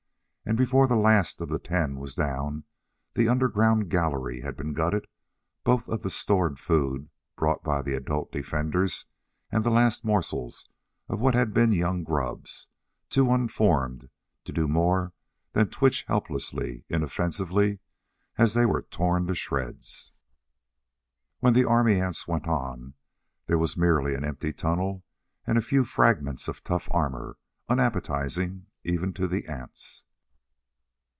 And before the last of the ten was down the underground gallery had been gutted both of the stored food brought by the adult defenders and the last morsels of what had been young grubs, too unformed to do more than twitch helplessly, inoffensively, as they were torn to shreds. When the army ants went on there were merely an empty tunnel and a few fragments of tough armor, unappetizing even to the ants.